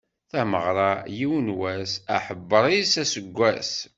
Tameɣra, yiwen wass, aḥebber-is aseggas.